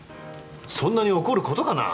そんなに怒ることかな？